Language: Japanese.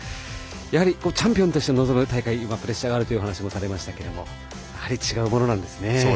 やはりチャンピオンとして臨む大会はプレッシャーがあるというお話をされてましたがやはり違うものなんですね。